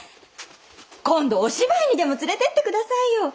今度お芝居にでも連れてって下さいよ。